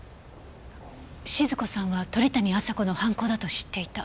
静子さんは鳥谷亜沙子の犯行だと知っていた。